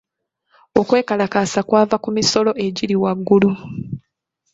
Okwekalakaasa kwava ku misolo egiri waggulu.